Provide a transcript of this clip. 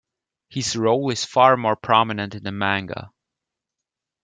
His role is far more prominent in the manga.